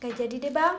nggak jadi deh bang